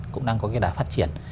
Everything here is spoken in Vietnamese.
cũng đang có đà phát triển